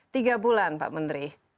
tiga bulan pak menteri